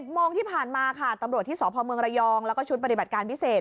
โมงที่ผ่านมาค่ะตำรวจที่สพเมืองระยองแล้วก็ชุดปฏิบัติการพิเศษ